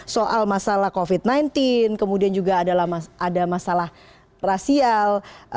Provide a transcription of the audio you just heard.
soal masalah covid sembilan belas kemudian juga ada masalah rasial